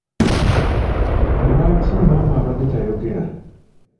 Lwaki maama abadde tayogera?